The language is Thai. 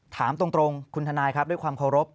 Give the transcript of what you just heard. ถามตรงคุณทนายครับด้วยความเคารพ